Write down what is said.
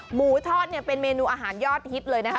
หมูทอดเนี่ยเป็นเมนูอาหารยอดฮิตเลยนะคะ